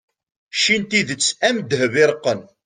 cci n tidet am ddheb iṛeqqen